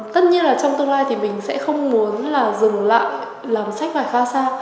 tất nhiên là trong tương lai thì mình sẽ không muốn là dừng lại làm sách vải khasa